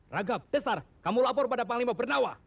raghav testar kamu lapor pada panglima bernawa